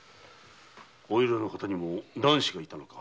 お由良の方にも男子がいたのか。